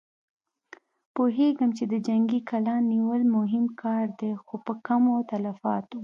پوهېږم چې د جنګي کلا نيول مهم کار دی، خو په کمو تلفاتو.